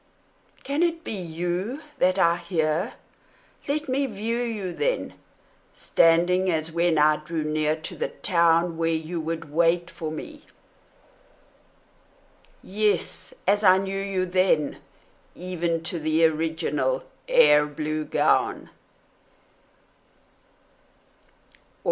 Can it be you that I hear? Let me view you, then, Standing as when I drew near to the town Where you would wait for me: yes, as I knew you then, Even to the original air blue gown!